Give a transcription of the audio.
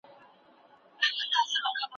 هیوادونه د ګټورو پروژو په پلي کولو کي ونډه اخلي.